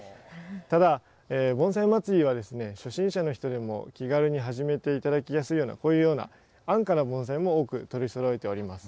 ただ盆栽まつりは初心者の人でも気軽に始めていただきやすいようにこういう安価な盆栽も取りそろえております。